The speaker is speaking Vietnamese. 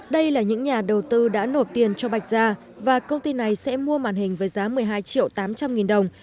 đây là những nhà đầu tư đã nộp tiền cho bạch gia và công ty này sẽ mua màn hình với giá một mươi hai triệu tám trăm linh nghìn đồng